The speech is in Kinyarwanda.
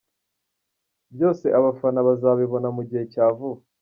Byose abafana bazabibona mu gihe cya vuba.